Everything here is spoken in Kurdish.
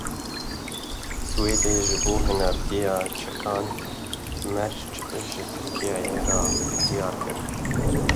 Swêdê ji bo hinardeya çekan merc ji Tirkiyeyê re diyar kir.